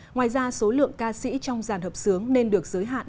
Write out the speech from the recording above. ngoài ra số lượng ca sĩ trong giàn hợp sướng nên được giới hạn